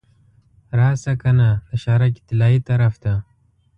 راشه کنه د شهرک طلایي طرف ته.